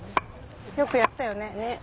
よくやったよね。